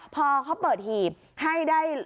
พอเขาเปิดหีบให้ได้